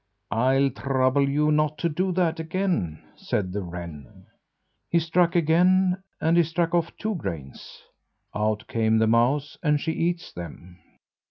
"I'll trouble you not to do that again," said the wren. He struck again, and he struck off two grains. Out came the mouse and she eats them.